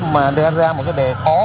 mà đề ra một cái đề khó